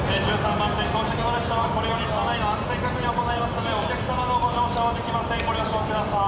番線到着の列車はこれより車内の安全確認を行いますので、お客様のご乗車はできません、ご了承ください。